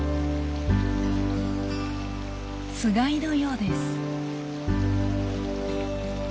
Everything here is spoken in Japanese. つがいのようです。